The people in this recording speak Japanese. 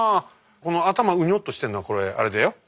この頭うにょっとしてるのはこれあれだよ